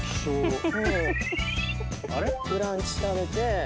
ブランチ食べて。